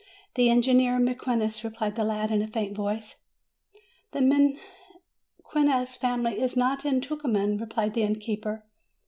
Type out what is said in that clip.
"The engineer Mequinez," replied the lad in a faint voice. "The Mequinez family is not in Tucuman," replied the innkeeper.